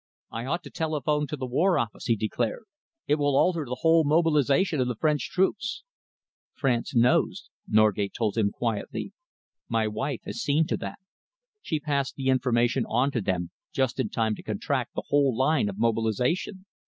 "I ought to telephone to the War Office," he declared. "It will alter the whole mobilisation of the French troops." "France knows," Norgate told him quietly. "My wife has seen to that. She passed the information on to them just in time to contract the whole line of mobilisation."